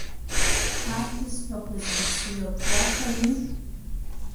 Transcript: Арҭ исҳәақәо зегьы бзиоуп, иашами?